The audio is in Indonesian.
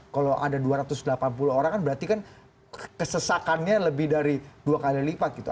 kalau ada dua ratus delapan puluh orang kan berarti kan kesesakannya lebih dari dua kali lipat gitu